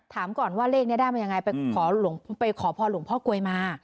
ถามก่อนว่าเลขนี้ได้มันยังไงไปขอหลวงไปขอพ่อหลวงพ่อก๊วยมา